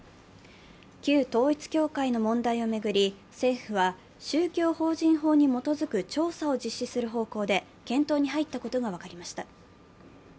旧統一教会の問題を巡り、政府は宗教法人法に基づく調査を実施する方向で検討に入ったことが分かりました。